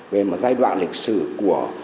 về một giai đoạn lịch sử của